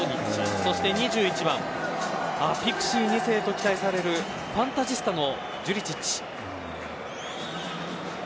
そして、２１番ピクシー２世と期待されるファンタジスタのジュリチッチ。